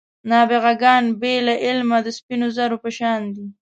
نابغه ګان بې له علمه د سپینو زرو په شان دي.